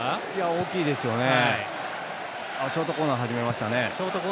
大きいですね。